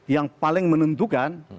yang paling menentukan